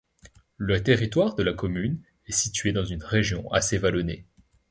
Le territoire de la commune est situé dans une région assez vallonnée.